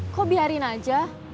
kok biarin aja